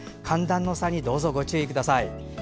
寒暖の差にどうぞご注意ください。